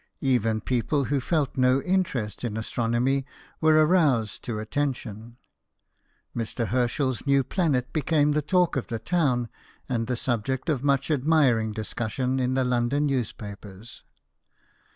Even people who felt no interest in astronomy were aroused to attention. Mr. Herschel's new planet became the talk of the 106 BIOGRAPHIES OF WORKING MEN. town and the subject of much admiring discus sion in the London newspapers.